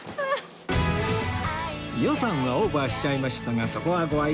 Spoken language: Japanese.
予算はオーバーしちゃいましたがそこはご愛嬌